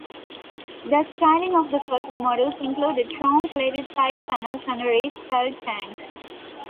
The styling of the first models included chrome-plated side panels and a restyled tank.